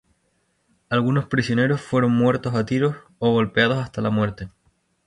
Algunos prisioneros fueron muertos a tiros o golpeados hasta la muerte.